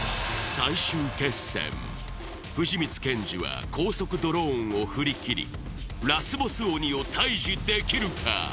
最終決戦藤光謙司は高速ドローンを振り切りラスボス鬼をタイジできるか？